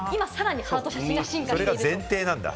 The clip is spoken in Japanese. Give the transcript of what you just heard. それが前提なんだ。